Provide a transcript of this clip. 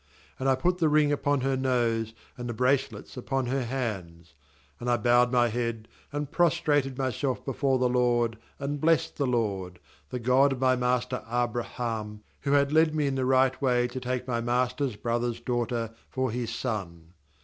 And I put the ring upon her nose, and the bracelets upon her hands. 48And I bowed my head, and prostrated myself before the LOKD, and blessed the LOED, the God of my master Abraham, who had led me in the right way to take my master's brother's daughter for his son.